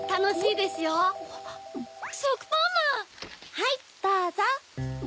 はいどうぞ！